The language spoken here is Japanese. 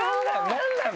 何なの？